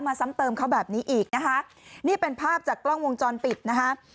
ซ้ำเติมเขาแบบนี้อีกนะคะนี่เป็นภาพจากกล้องวงจรปิดนะคะ